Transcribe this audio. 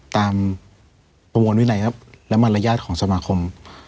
ตามประมวลวินัยครับและมารยาทของสมาคม